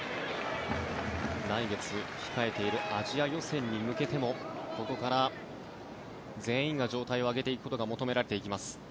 来月控えているアジア予選に向けてもここから全員が状態を上げていくことが求められていきます。